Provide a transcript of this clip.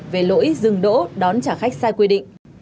về lỗi dừng đỗ đón trả khách sai quy định